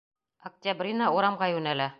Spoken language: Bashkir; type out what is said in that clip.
Октябрина урамға йүнәлә.